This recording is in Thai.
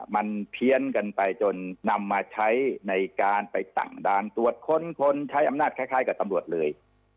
มันเพี้ยนกันไปจนนำมาใช้ในการไปตั้งด่านตรวจค้นคนใช้อำนาจคล้ายกับตำรวจเลย